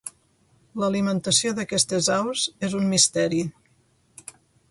L'alimentació d'aquestes aus és un misteri.